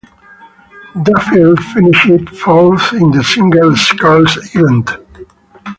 Duffield finished fourth in the single sculls event.